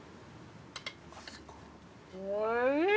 おいしい！